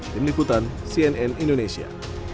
demikian cnn indonesia